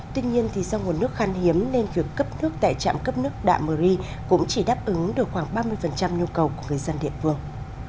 tuy nhiên do nguồn nước khăn hiếm nên việc cấp nước tại trạm cấp nước đạ mơ ri cũng chỉ đáp ứng được khoảng ba mươi nhu cầu của người dân địa phương